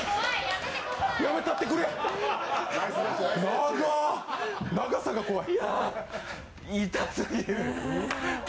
長っ、長さが怖い。